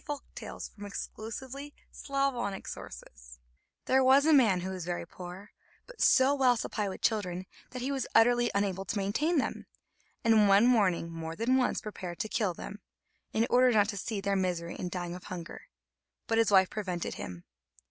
XIII THE WONDERFUL HAIR There was a man who was very poor, but so well supplied with children that he was utterly unable to maintain them, and one morning more than once prepared to kill them, in order not to see their misery in dying of hunger, but his wife prevented him.